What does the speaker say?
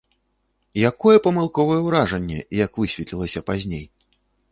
Якое памылковае ўражанне, як высветлілася пазней!